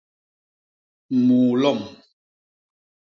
Muu lom.